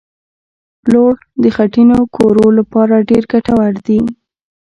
پلوړ د خټینو کورو لپاره ډېر ګټور دي